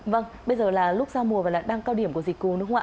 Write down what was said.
vâng bây giờ là lúc giao mùa và đang cao điểm của dịch cúng đúng không ạ